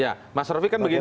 ya mas rofi kan begini